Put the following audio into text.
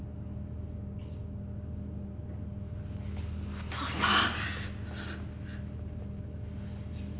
お父さん。